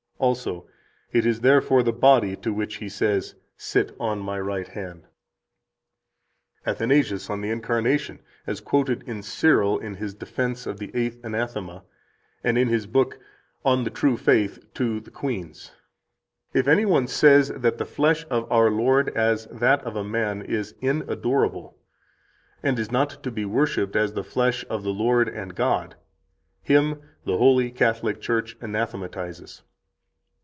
Also: "It is therefore the body to which He says, 'Sit on My right hand.'" 75 ATHANASIUS, On the Incarnation, as quoted in Cyril in his Defense of the 8th Anathema, and in his book, On the True Faith to the Queens: "If any one says that the flesh of our Lord as that of a man is inadorable, and is not to be worshiped as the flesh of the Lord and God, him the Holy Catholic Church anathematizes."